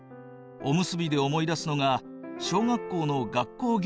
おむすびで思い出すのが小学校の学校行事。